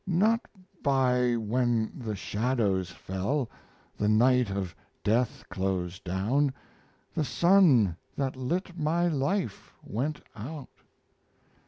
Not by When the shadows fell, the night of death closed down The sun that lit my life went out.